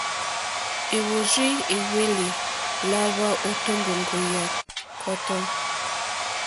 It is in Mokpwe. Èwɔ́rzì èhwélì lǎhwà ô tóŋgóŋgó yà kɔ́tɔ́.